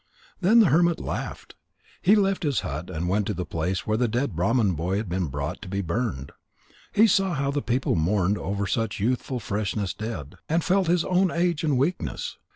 Then the hermit laughed. He left his hut and went to the place where the dead Brahman boy had been brought to be burned. He saw how the people mourned over such youthful freshness dead, and felt his own age and weakness.